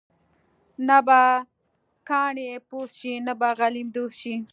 نه به کاڼې پوست شي، نه به غلیم دوست شي.